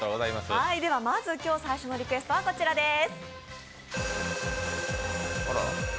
まず今日最初のリクエストはこちらです。